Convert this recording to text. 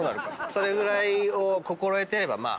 それぐらいを心得てればまあまずは。